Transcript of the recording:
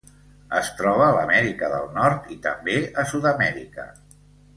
Es troba a l'Amèrica del Nord i també a Sud-amèrica.